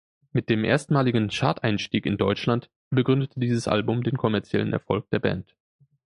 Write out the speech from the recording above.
Mit dem erstmaligen Charteinstieg in Deutschland begründete dieses Album den kommerziellen Erfolg der Band.